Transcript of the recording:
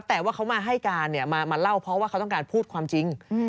แต่ว่าเขามาให้การเนี่ยมาเล่าเพราะว่าเขาต้องการพูดความจริง